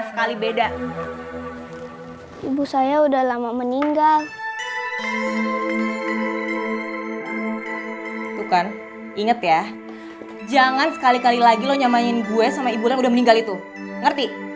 kemprises satu tinggal penuh tersaland ini bahkan lithium akan luang karena